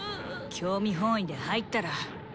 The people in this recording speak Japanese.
興味本位で入ったらダメ。